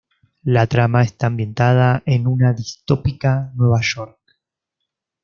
La trama está ambientada en una distópica Nueva York.